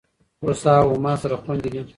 هوسا او هما سره خوندي دي.